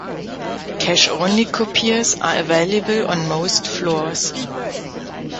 Cash-only copiers are available on most floors.